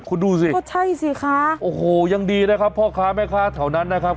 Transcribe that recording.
คุณดูสิโอ้โฮยังดีนะครับพ่อค้าแม่ค้าเท่านั้นนะครับ